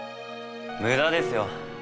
無駄ですよ。